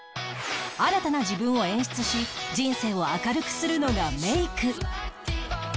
新たな自分を演出し人生を明るくするのがメイク